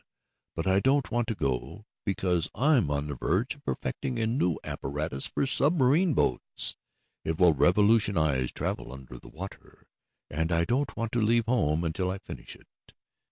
But I don't want to go because I am on the verge of perfecting a new apparatus for submarine boats. It will revolutionize travel under the water, and I don't want to leave home until I finish it.